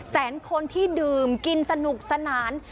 แสนคนที่ดื่มกินสนุกสนาน